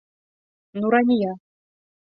Нурания.